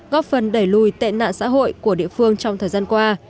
góp phần đẩy lùi tệ nạn xã hội của địa phương trong thời gian qua